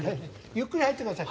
ゆっくり入ってください。